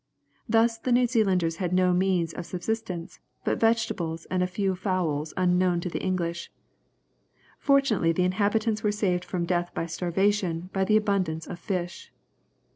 Thus the New Zealanders had no means of subsistence, but vegetables and a few fowls unknown to the English. Fortunately the inhabitants were saved from death by starvation by the abundance of fish.